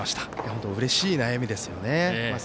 本当うれしい悩みですよね。